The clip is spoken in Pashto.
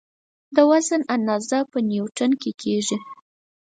د وزن اندازه په نیوټن کې کېږي.